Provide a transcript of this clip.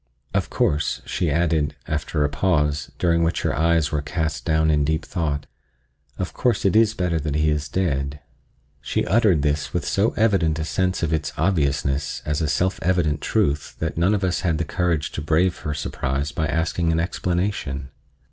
Of course," she added, after a pause, during which her eyes were cast down in deep thought, "of course it is better that he is dead." She uttered this with so evident a sense of its obviousness as a self evident truth that none of us had the courage to brave her surprise by asking an explanation.